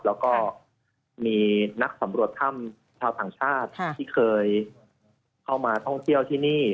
แล้วก็มีนักสำรวจถ้ำชาวต่างชาติที่เคยเข้ามาท่องเที่ยวที่นี่